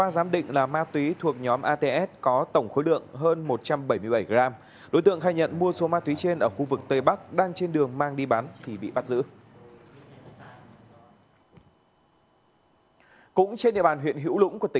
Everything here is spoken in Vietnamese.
xin chào và hẹn gặp lại